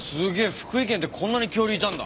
福井県ってこんなに恐竜いたんだ。